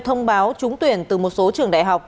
thông báo trúng tuyển từ một số trường đại học